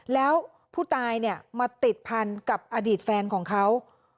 แล้วผู้ตายเนี่ยมาติดพันกับอดีตแฟนของเขา